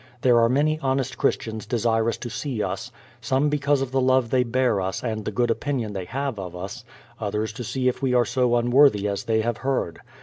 There are many honest Christians desirous to see us, some because of the love they bear us and the good opinion they have of us ; others to see if we are so unworthy as they have heard.